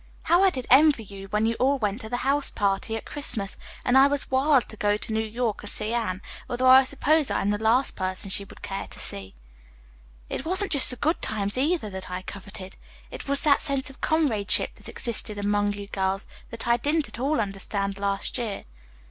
"How I did envy you when you all went to the house party at Christmas, and I was wild to go to New York and see Anne, although I suppose I am the last person she would care to see. "It wasn't just the good times, either, that I coveted, it was that sense of comradeship that existed among you girls that I didn't at all understand last year."